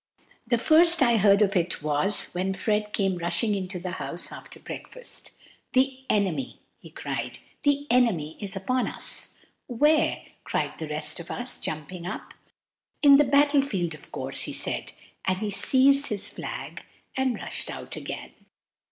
THE first I heard of it was when Fred came rushing into the house after breakfast. "The enemy!" he cried. "The enemy is upon us!" "Where?" cried the rest of us, jumping up. "In the battle field, of course!" he said; and he seized his flag and rushed out again.